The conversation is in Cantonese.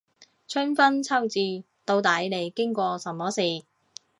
春分秋至，到底你經過什麼事